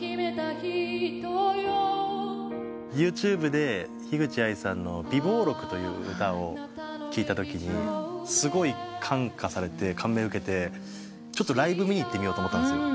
ＹｏｕＴｕｂｅでヒグチアイさんの『備忘録』という歌を聴いたときにすごい感化されて感銘受けてちょっとライブ見に行ってみようと思ったんです。